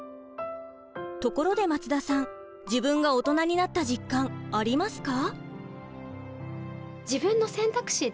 ところで松田さん自分がオトナになった実感ありますか？